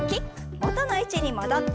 元の位置に戻って。